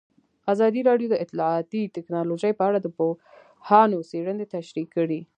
ازادي راډیو د اطلاعاتی تکنالوژي په اړه د پوهانو څېړنې تشریح کړې.